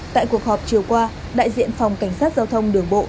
tại cuộc họp chiều qua đại diện phòng cảnh sát giao thông đường bộ